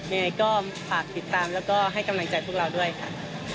ยังไงก็ฝากติดตามแล้วก็ให้กำลังใจพวกเราด้วยค่ะ